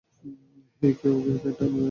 হেই, কেউ কেকটা নিয়ে আয়!